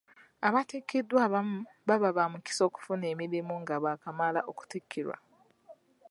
Abatikiddwa abamu baba ba mukisa okufuna emirimu nga baakamala okuttikirwa.